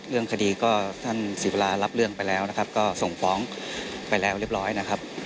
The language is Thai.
เรื่องคดีก็ท่านศรีวรารับเรื่องไปแล้วนะครับก็ส่งฟ้องไปแล้วเรียบร้อยนะครับ